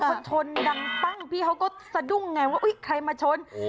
พอชนดังปั้งพี่เขาก็สะดุ้งไงว่าใครมาชน